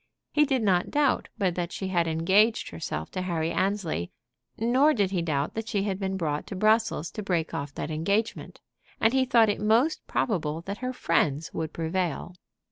He did not doubt but that she had engaged herself to Harry Annesley; nor did he doubt that she had been brought to Brussels to break off that engagement; and he thought it most probable that her friends would prevail.